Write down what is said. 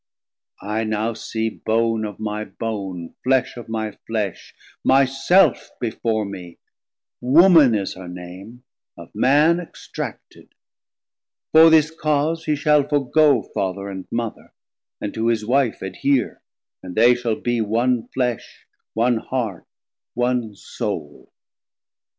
I now see Bone of my Bone, Flesh of my Flesh, my Self Before me; Woman is her Name, of Man Extracted; for this cause he shall forgoe Father and Mother, and to his Wife adhere; And they shall be one Flesh, one Heart, one Soule.